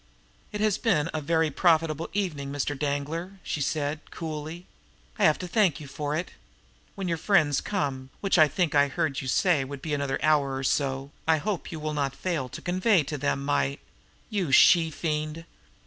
"It has been a very profitable evening, Mr. Danglar," she said coolly. "I have you to thank for it. When your friends come, which I think I heard you say would be in another hour or so, I hope you will not fail to convey to them my " "You she fiend!"